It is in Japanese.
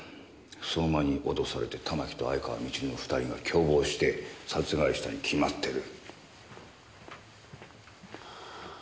相馬に脅されて玉木と愛川みちるの２人が共謀して殺害したに決まってる。